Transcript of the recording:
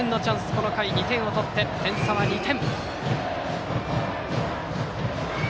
この回、２点を取って点差は２点。